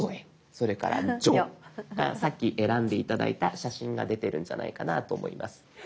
それから「じょ」さっき選んで頂いた写真が出てるんじゃないかなと思います。